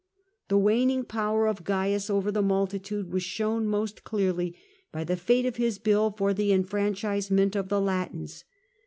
The waning power of Cains over the multitude was shown most clearly by the fate of his bill for the en franchisement of the Latins.